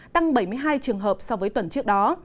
tăng bảy mươi hai trường hợp so với tuần trước đó